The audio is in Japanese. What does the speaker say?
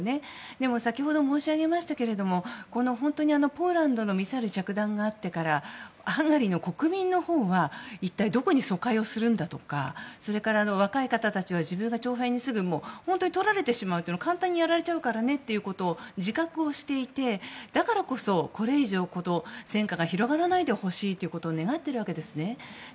でも、先ほども申し上げましたがこのポーランドのミサイル着弾があってからハンガリーの国民のほうは一体どこに疎開をするんだとかそれから、若い方たちは自分が兵にとられることは簡単にやられちゃうからねと自覚をしていてだからこそ、これ以上戦火が広がらないでほしいということを願っているわけですね。